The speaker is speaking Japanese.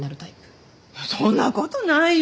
いやそんなことないよ。